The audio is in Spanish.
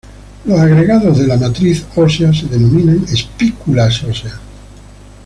Los agregados de la matriz ósea se denominan espículas óseas.